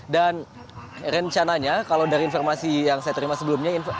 dan rencananya kalau dari informasi yang saya terima sebelumnya